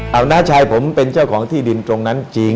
เอาน้าชายผมเป็นเจ้าของที่ดินตรงนั้นจริง